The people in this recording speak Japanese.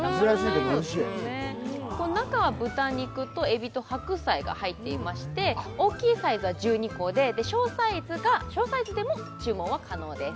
中は豚肉とえびと白菜が入っていまして、大きいサイズは１２個で、小サイズでも注文は可能です。